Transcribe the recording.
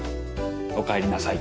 おかえりなさい。